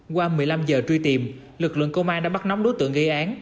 qua một mươi năm giờ truy tìm lực lượng công an đã bắt nóng đối tượng gây án